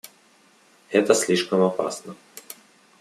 Это слишком опасно.